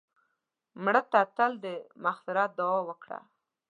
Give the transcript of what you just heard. مړه ته تل د مغفرت دعا وکړه